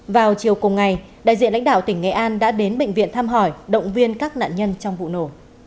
vào chiều cùng ngày đại diện lãnh đạo tỉnh nghệ an đã đến bệnh viện thăm hỏi động viên các nạn nhân trong vụ nổ